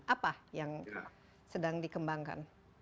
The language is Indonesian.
apa yang sedang dikembangkan